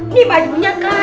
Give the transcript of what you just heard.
ini bajunya ka